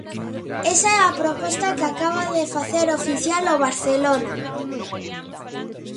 Esa é a proposta que acaba de facer oficial o Barcelona.